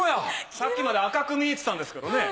さっきまで赤く見えてたんですけどね。